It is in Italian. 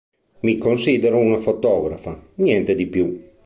Mi considero una fotografa, niente di più.